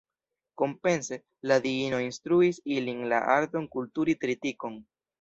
Kompense, la diino instruis ilin la arton kulturi tritikon.